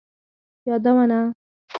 یادونه